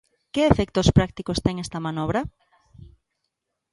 Que efectos prácticos ten esta manobra?